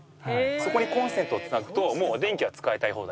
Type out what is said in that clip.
そこにコンセントを繋ぐともう電気が使いたい放題。